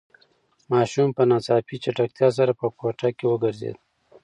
ماشوم په ناڅاپي چټکتیا سره په کوټه کې وگرځېد.